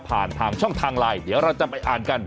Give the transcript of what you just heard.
ผ่านทางช่องทางไลน์เดี๋ยวเราจะไปอ่านกัน